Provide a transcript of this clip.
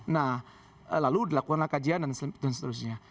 nah lalu dilakukanlah kajian dan seterusnya